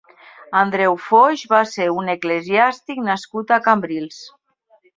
Andreu Foix va ser un eclesiàstic nascut a Cambrils.